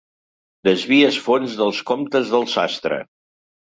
Desvies fons dels comptes del sastre.